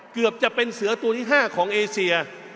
เกือบจะเป็นเสือตัวที่๕ของเอเซีย